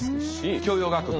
教養学部。